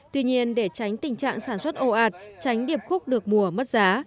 tuy nhiên để tránh tình trạng sản xuất ồ ạt tránh điệp khúc được mùa mất giá